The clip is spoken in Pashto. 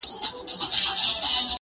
بس چي کله دي کابل کي یوه شپه سي،